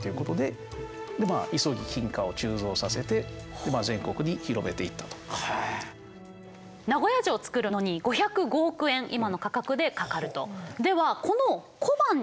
豊臣家が滅んで名古屋城造るのに５０５億円今の価格でかかると。